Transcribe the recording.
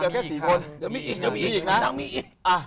ก็ต้องมีอีก